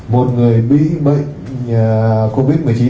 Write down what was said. một người bị bệnh covid một mươi chín